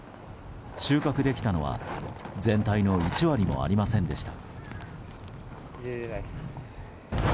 収穫できたのは全体の１割もありませんでした。